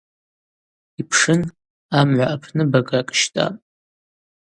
Йпшын, амгӏва апны багакӏ щтӏапӏ.